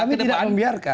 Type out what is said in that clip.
kami tidak membiarkan